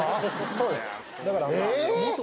そうです。え！？